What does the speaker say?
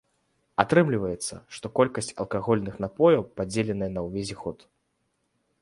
Атрымліваецца, што колькасць алкагольных напояў падзеленая на ўвесь год.